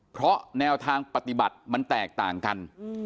เพราะแนวทางปฏิบัติมันแตกต่างกัน